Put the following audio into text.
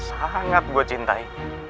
sangat gue cintai